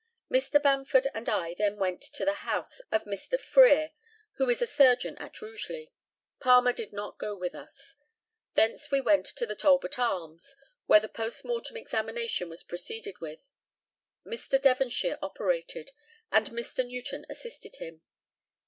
Mr. Bamford and I then went to the house of Mr. Frere, who is a surgeon at Rugeley. Palmer did not go with us. Thence we went to the Talbot Arms, where the post mortem examination was proceeded with. Mr. Devonshire operated, and Mr. Newton assisted him.